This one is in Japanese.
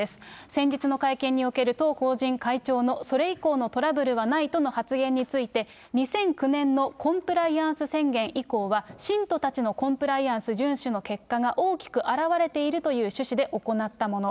先日の会見における当法人会長のそれ以降のトラブルはないとの発言について、２００９年のコンプライアンス宣言以降は、信徒たちのコンプライアンス順守の結果が大きく表れているという趣旨で行ったもの。